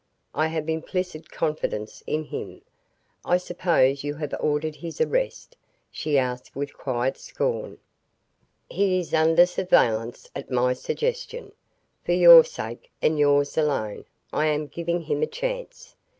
"I have implicit confidence in him. I suppose you have ordered his arrest?" she asked with quiet scorn. "He is under surveillance, at my suggestion. For your sake, and yours alone, I am giving him a chance.